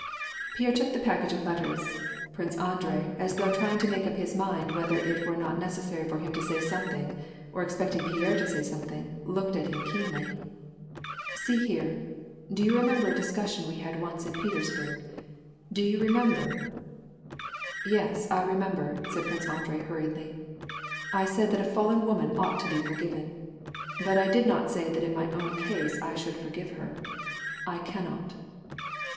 Pierre took the package of letters. Prince Andrei, as though trying to make up his mind whether it were not necessary for him to sav something, or expecting Pierre to say something, looked at him keenly. " See here, do you remember a discussion we once had in Petersburg ? Do you remember "—" Yes, I remember," said Prince Andrei hurriedly. " I said that a fallen woman ought to be forgiven ; but I did not say that in my own ease I should forgive her. I cannot."